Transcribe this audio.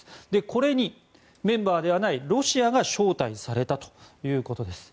これにメンバーではないロシアが招待されたということです。